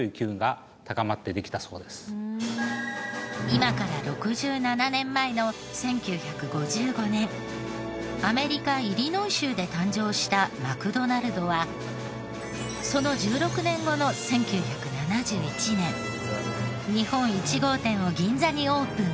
今から６７年前の１９５５年アメリカイリノイ州で誕生したマクドナルドはその１６年後の１９７１年日本１号店を銀座にオープン。